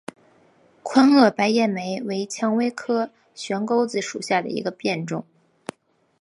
宽萼白叶莓为蔷薇科悬钩子属下的一个变种。